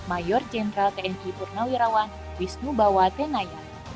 mayor jeneral tni purnawirawan wisnu bawa tengaya